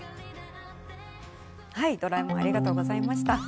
ドラえもんありがとうございました。